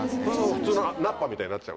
普通の菜っ葉みたいになっちゃう。